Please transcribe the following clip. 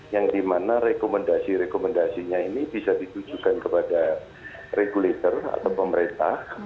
yang dimana rekomendasi rekomendasinya ini bisa ditujukan kepada regulator atau pemerintah